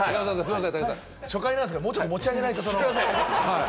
初回なんですから、もうちょっと持ち上げないと。